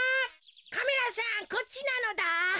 カメラさんこっちなのだ。